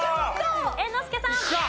猿之助さん。